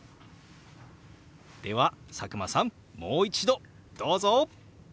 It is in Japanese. では佐久間さんもう一度どうぞ！